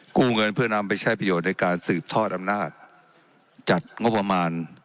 กู้เงินเพื่อนำไปใช้ประโยชน์ในการสืบทอดอำนาจจัดงบประมาณ